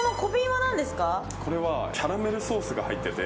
これは、キャラメルソースが入ってて。